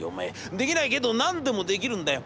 できないけど何でもできるんだよ。